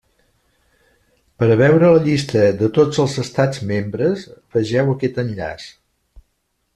Per a veure la llista de tots els estats membres vegeu aquest enllaç.